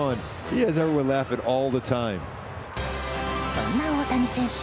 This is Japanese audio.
そんな大谷選手